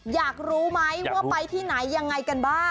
อยากรู้ไหมว่าไปที่ไหนยังไงกันบ้าง